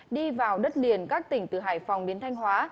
đi vào đất liền các tỉnh từ hải phòng đến thanh hóa